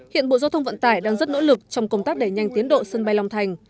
hiện bộ giao thông vận tải đang rất nỗ lực trong công tác đẩy nhanh tiến độ sân bay long thành